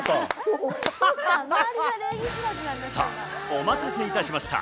お待たせいたしました。